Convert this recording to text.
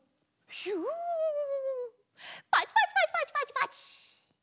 ひゅパチパチパチパチパチパチ。